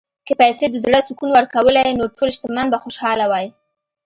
که پیسې د زړه سکون ورکولی، نو ټول شتمن به خوشاله وای.